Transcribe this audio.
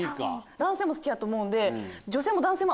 男性も好きやと思うんで。